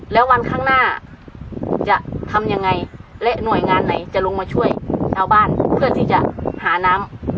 แล้ววันข้างหน้าจะทำยังไงและหน่วยงานไหนจะลงมาช่วยชาวบ้านเพื่อที่จะหาน้ำ